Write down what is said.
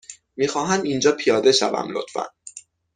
می خواهم اینجا پیاده شوم، لطفا.